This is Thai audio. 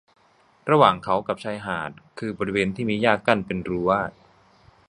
ระหว่างเขากับชายหาดคือบริเวณที่มีหญ้ากั้นเป็นรั้ว